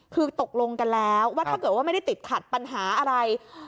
คือตกลงกันแล้วว่าถ้าเกิดว่าไม่ได้ติดขัดปัญหาอะไร